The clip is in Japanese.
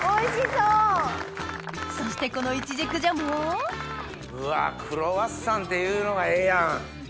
そしてこのイチジクジャムをうわクロワッサンっていうのがええやん！